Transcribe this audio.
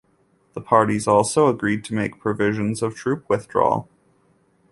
The parties also agreed to make provisions of troop withdrawal.